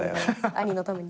兄のために。